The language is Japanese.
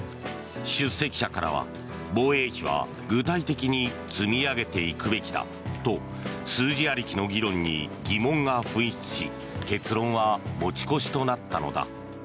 出席者からは防衛費は具体的に積み上げていくべきだと数字ありきの議論に疑問が噴出し結論は持ち越しとなったのだ。